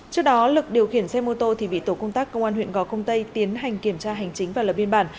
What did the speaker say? trước đó lực điều khiển xe mô tô thì bị tổ công tác công an huyện gò công tây tiến hành kiểm tra hành chính và lập biên bản